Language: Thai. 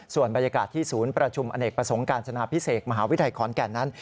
ส่วนบรรยากาศที่ศูนย์ประชุมอเนกประสงค์การจนาพิเศษมหาวิทยาลัยขอนแก่นนั้น